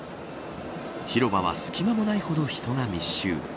広場は隙間もないほど人が密集。